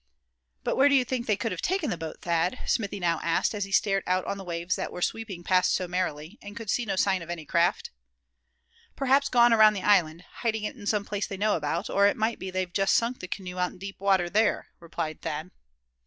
"But where do you think they could have taken the boat, Thad?" Smithy now asked, as he stared out on the waves that were sweeping past so merrily, and could see no sign of any craft. "Perhaps gone around the island, hiding it in some place they know about; or it might be they've just sunk the canoe out in deep water there," replied Thad.